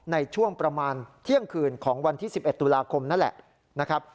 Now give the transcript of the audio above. ในช่วงประมาณเที่ยงคืนของวันที่๑๑ตุลาคมนั่นแหละนะครับ